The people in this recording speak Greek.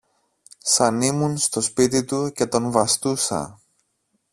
σαν ήμουν στο σπίτι του και τον βαστούσα!